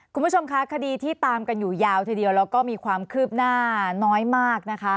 คุณผู้ชมคะคดีที่ตามกันอยู่ยาวทีเดียวแล้วก็มีความคืบหน้าน้อยมากนะคะ